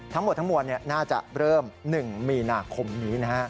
ทั้งหมดทั้งมวลน่าจะเริ่ม๑มีนาคมนี้นะฮะ